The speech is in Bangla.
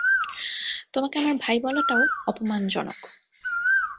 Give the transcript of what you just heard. তোমাকে আমার ভাই বলাটাও অপমানজনক!